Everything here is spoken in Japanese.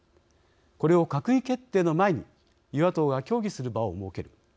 これを閣議決定の前に与野党が協議する場を設ける。